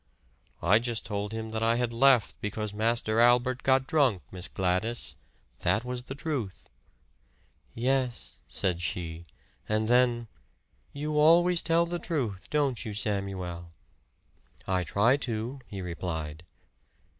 "I just told him that I had left because Master Albert got drunk, Miss Gladys. That was the truth." "Yes," said she; and then, "You always tell the truth, don't you, Samuel?" "I try to," he replied.